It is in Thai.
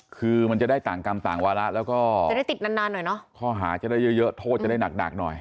คือมันจะได้ต่างกรรมต่างวาระแล้วก็จะได้ติดนานนานหน่อยเนอะข้อหาจะได้เยอะเยอะโทษจะได้หนักหนักหน่อย